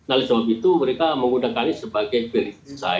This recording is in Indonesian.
oleh sebab itu mereka menggunakannya sebagai